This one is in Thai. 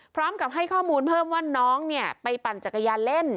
พร้อมกับให้ข้อมูลเพิ่มว่าน้องเนี่ยไปปั่นจักรยานเล่น